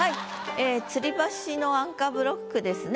ええ吊り橋のアンカーブロックですね